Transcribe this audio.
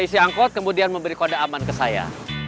isi angkot kemudian memberi kode aman ke saya